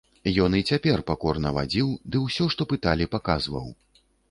Ён і цяпер пакорна вадзіў ды ўсё, што пыталі, паказваў.